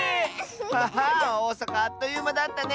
ハハーおおさかあっというまだったね！